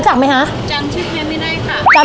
สวัสดีค่ะ